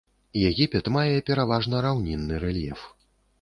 Егіпет мае пераважна раўнінны рэльеф.